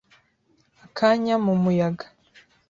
Akanya mumuyaga